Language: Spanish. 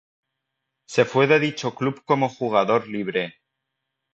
Se fue de dicho club como jugador libre.